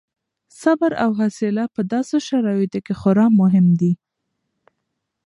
صبر او حوصله په داسې شرایطو کې خورا مهم دي.